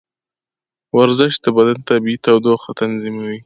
ورزش د بدن طبیعي تودوخه تنظیموي.